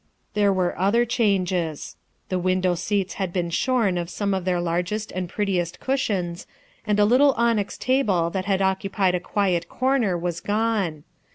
There were other changes. Tlje window scats had been *hom of some of their largest and pret tiest cushions, and a little onyx, tabic that had occupied a quiet comer was pone.